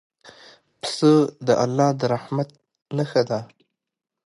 پسه د الله د رحمت نښه ده.